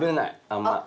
あんまり。